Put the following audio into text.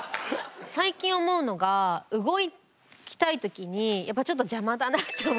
最近思うのが動きたい時にやっぱちょっと邪魔だなって思う時はあります。